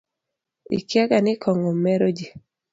Ikiaga ni kong'o meroji.